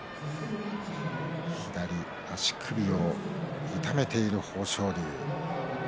左足首を痛めている豊昇龍。